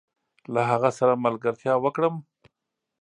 له هغه سره ملګرتيا وکړم؟